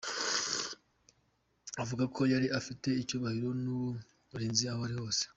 Avuga ko yari afite icyubahiro n’uburinzi aho ari hose.